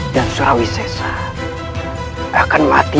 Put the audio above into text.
dan surau seta akan kubunuh